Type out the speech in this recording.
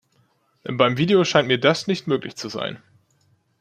Beim Video scheint mir das nicht möglich zu sein.